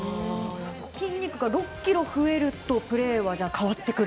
筋肉が６ｋｇ増えるとプレーは変わってくる？